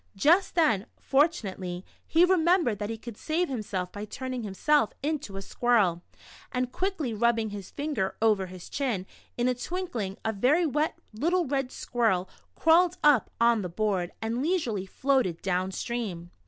Just then, fortunately, he remem bered that he could save himself by turning himself into a squirrel, and quickly rubbing his iinger over his chin, in a twinkling a very wet little red squirrel, crawled up on the board and leisurely floated down stream